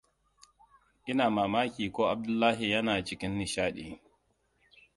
Ina mamaki ko Abdullahi yana cikin nishaɗi.